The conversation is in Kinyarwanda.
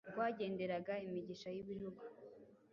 Rwagenderaga imigisha y'ibihugu,